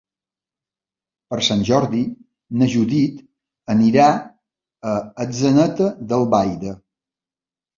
Per Sant Jordi na Judit anirà a Atzeneta d'Albaida.